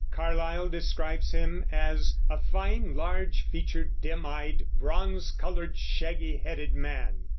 Carlyle describes him as "a fine, large featured, dim eyed, bronze colored, shaggy headed man